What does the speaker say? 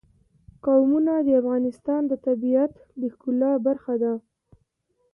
قومونه د افغانستان د طبیعت د ښکلا برخه ده.